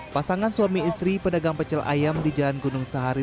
pasangan suami istri pedagang pecel ayam di jalan gunung sahari